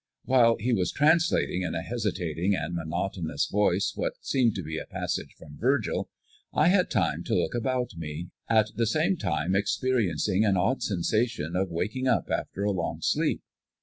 While he was translating in a hesitating and monotonous voice what seemed to be a passage from Virgil, I had time to look about me, at the same time experiencing an odd sensation of waking up after a long sleep.